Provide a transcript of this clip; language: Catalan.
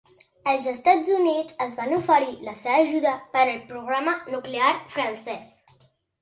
Els Estats Units es van oferir la seva ajuda per al programa nuclear francès.